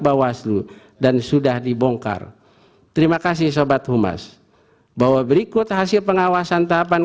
bawaslu dan sudah dibongkar terima kasih sobat humas bahwa berikut hasil pengawasan tahapan